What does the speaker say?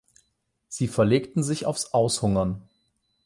Sie verlegten sich aufs Aushungern.